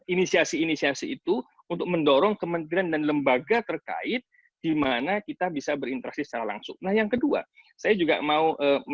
inisiasi inisiasi itu untuk mendorong kementerian dan lembaga terkait di mengerjakan kualitas